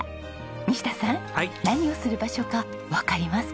西田さん何をする場所かわかりますか？